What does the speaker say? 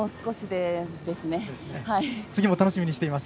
次も楽しみにしています。